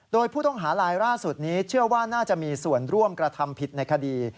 โดยผู้ต้องหาลายล่าสุดนี้เชื่อว่าน่าจะมีส่วนร่วมกระทำผิดในคดี